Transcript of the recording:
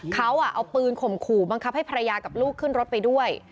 เขาเอาปืนข่มขู่บังคับให้ภรรยากับลูกขึ้นรถไปด้วย